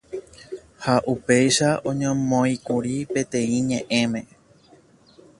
ha upéicha oñomoĩkuri peteĩ ñe'ẽme